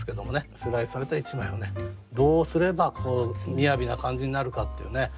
スライスされた一枚をどうすれば雅な感じになるかっていうね。